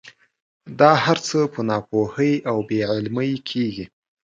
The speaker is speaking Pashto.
دا هر څه په ناپوهۍ او بې علمۍ کېږي.